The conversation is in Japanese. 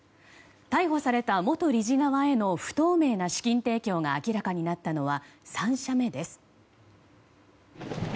逮捕された元理事側への不透明な資金提供が明らかになったのは３社目です。